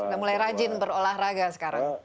sudah mulai rajin berolahraga sekarang